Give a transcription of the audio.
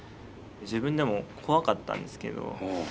自分でも怖かったんですけど。